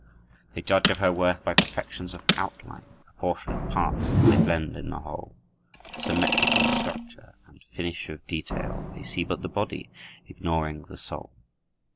They judge of her worth by "perfection of outline," "Proportion of parts" as they blend in the whole, "Symmetrical structure," and "finish of detail"; They see but the body—ignoring the soul.